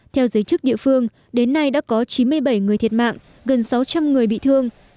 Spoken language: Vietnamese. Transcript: theo giới chức địa phương đến nay đã có chín mươi bảy người thiệt mạng gần sáu trăm linh người bị thương